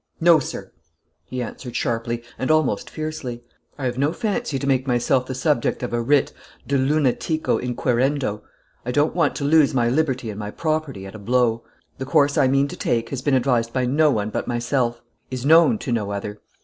"No, sir," he answered sharply, and almost fiercely; "I have no fancy to make myself the subject of a writ de lunatico inquirendo; I don't want to lose my liberty and my property at a blow. The course I mean to take has been advised by no one but myself is known to no other.